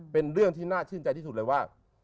เป็นเรื่องที่น่าชื่นใจที่สุดเลยว่า